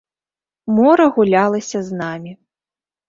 Мора гулялася з намі.